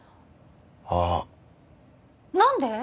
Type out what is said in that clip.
あっ何で？